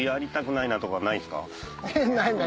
ないない。